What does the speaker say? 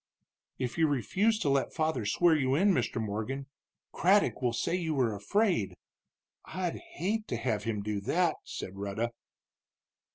"If you refuse to let father swear you in, Mr. Morgan, Craddock will say you were afraid. I'd hate to have him do that," said Rhetta.